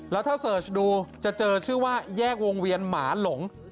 แล้วถ้าเสิร์ชดูจะเจอชื่อว่าแยกวงเวียนหมาหลง